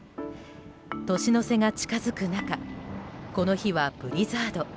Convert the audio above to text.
年の瀬が近づく中この日はブリザード。